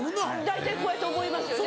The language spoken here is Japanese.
大体こうやって覚えますけどね。